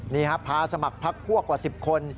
นี่ฮะพาสมัครพักพั่วกว่า๑๐คน